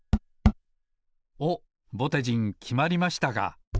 おっぼてじんきまりましたか。